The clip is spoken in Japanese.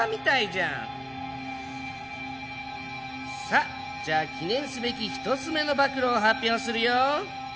さあじゃあ記念すべき１つ目の暴露を発表するよ！